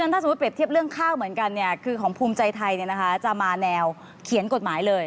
ถ้าสมมุติเปรียบเทียบเรื่องข้าวเหมือนกันคือของภูมิใจไทยจะมาแนวเขียนกฎหมายเลย